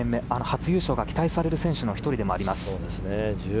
初優勝が期待される選手の１人でもあります。